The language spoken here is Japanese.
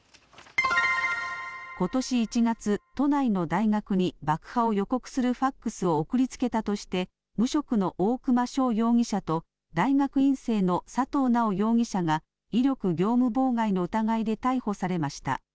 ことし１月、都内の大学に爆破を予告するファックスを送りつけたとして無職の大熊翔容疑者と大学院生の佐藤直容疑者が威力業務妨害の疑いで逮捕されました。